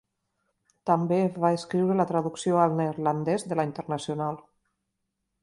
També va escriure la traducció al neerlandès de La Internacional.